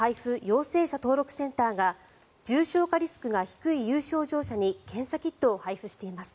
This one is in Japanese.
・陽性者登録センターが重症化リスクが低い有症状者に検査キットを配布しています。